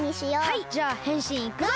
はいじゃあへんしんいくぞ！